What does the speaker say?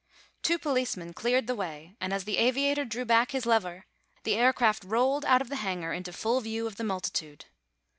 Two policemen cleared the way and as the aviator drew back his lever the aircraft rolled out of the hangar into full view of the multitude.